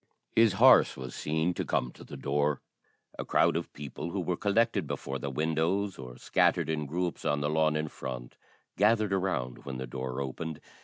His horse was seen to come to the door. A crowd of people who were collected before the windows, or scattered in groups on the lawn in front, gathered around when the door opened.